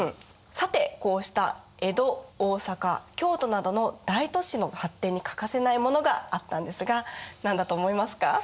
さてこうした江戸大坂京都などの大都市の発展に欠かせないものがあったんですが何だと思いますか？